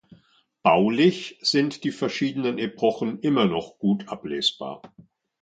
Baulich sind die verschiedenen Epochen immer noch gut ablesbar.